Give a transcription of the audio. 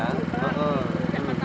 jangan tahu ada memang benar ada